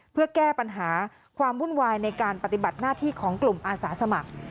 เพื่อแก้ปัญหาความวุ่นวายในการปฏิบัติหน้าที่ของกลุ่มอาสาสมัคร